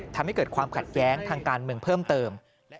ทำให้เกิดความขัดแย้งทางการเมืองเพิ่มเติม